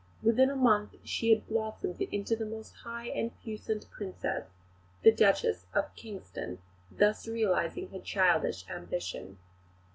Within a month she had blossomed into "the most high and puissante Princess, the Duchess of Kingston," thus realising her childish ambition.